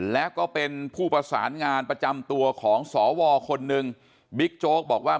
แล้วก็เป็นผู้ประสานงานประจำตัวของสวคนหนึ่งบิ๊กโจ๊กบอกว่า